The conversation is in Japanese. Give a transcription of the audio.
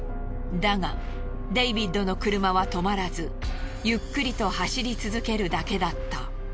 だがデイビッドの車は停まらずゆっくりと走り続けるだけだった。